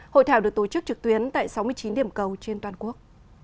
hội thảo được tổ chức trực tuyến tại sáu mươi chín điểm cầu trên toàn quốc